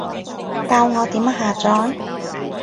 教我點下載？